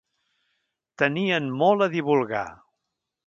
Tenien molt a divulgar.